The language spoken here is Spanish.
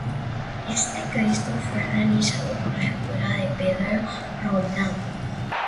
Este Cristo fue realizado por la escuela de Pedro Roldán.